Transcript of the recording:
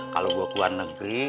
kalau gue ke luar negeri